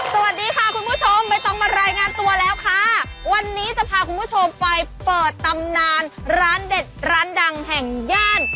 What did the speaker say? สวัสดีค่ะคุณผู้ชมไม่ต้องมารายงานตัวแล้วค่ะวันนี้จะพาคุณผู้ชมไปเปิดตำนานร้านเด็ดร้านดังแห่งย่าน